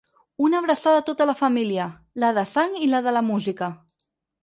Una abraçada a tota la família, la de sang i la de la música.